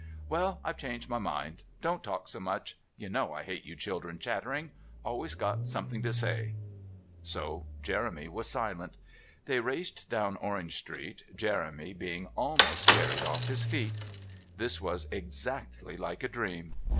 "Well, I've changed my mind. Don't talk so much. You know I hate you children chattering. Always got something to say." So Jeremy was silent. They raced down Orange Street, Jeremy being almost carried off his feet. This was exactly like a dream.